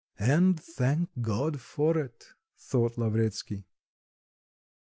'" "And thank God for it!" thought Lavretsky.